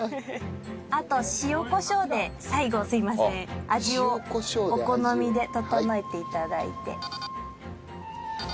あと塩コショウで最後すいません味をお好みで調えて頂いて。